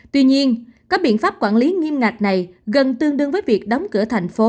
tuy nhiên các biện pháp quản lý nghiêm ngặt này gần tương đương với việc đóng cửa thành phố